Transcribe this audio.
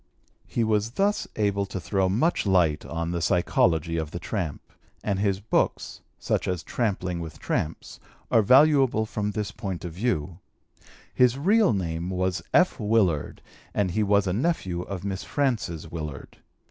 He was thus able to throw much light on the psychology of the tramp, and his books (such as Tramping with Tramps) are valuable from this point of view. His real name was F. Willard and he was a nephew of Miss Frances Willard.